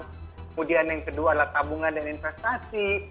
kemudian yang kedua adalah tabungan dan investasi